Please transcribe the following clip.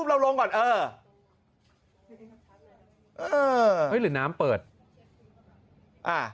แต่พออย่าเห็นเปิดป่ะ